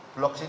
blok sini ada